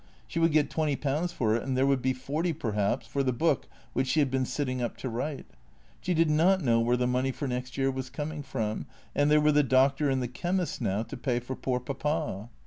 She would get twenty pounds for it, and there would be forty, perhaps, for the book which she had been sitting up to write. She did not know where the money for next year was coming from ; and there were the doctor and the chemist now to pay for poor Papa.